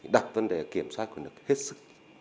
đặt vấn đề kiểm soát quyền lực hết sức